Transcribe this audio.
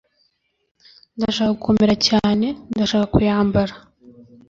Ndashaka gukomera cyane ndashaka kuyambara